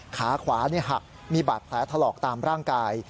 ขาขวาหักมีบาดแผลถลอกตามร่างกาย